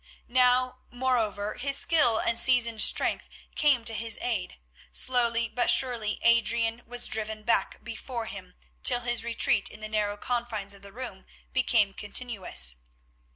Now, moreover, his skill and seasoned strength came to his aid; slowly but surely Adrian was driven back before him till his retreat in the narrow confines of the room became continuous.